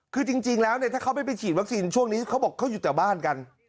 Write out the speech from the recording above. คือจริงแล้วเนี่ยถ้าเขาไม่ไปฉีดวัคซีนช่วงนี้เขาบอกเขาอยู่แต่บ้านกัน